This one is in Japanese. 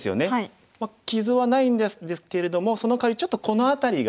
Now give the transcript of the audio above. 傷はないんですけれどもそのかわりちょっとこの辺りが。